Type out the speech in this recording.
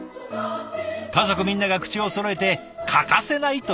家族みんなが口をそろえて欠かせないと言う筑前煮。